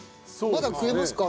まだ食えますか？